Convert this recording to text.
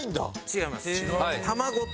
違います。